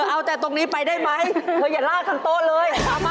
เอาแต่ตรงนี้ไปได้ไหมเธออย่าลากทั้งโต๊ะเลย